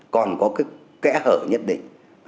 còn có cái kẽ hở nhất định